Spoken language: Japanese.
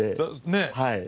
ねえ。